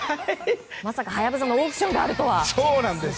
まさかハヤブサのオークションがあるとは。